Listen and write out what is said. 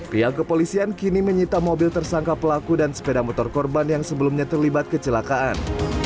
pihak kepolisian kini menyita mobil tersangka pelaku dan sepeda motor korban yang sebelumnya terlibat kecelakaan